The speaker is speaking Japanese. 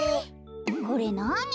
これなに？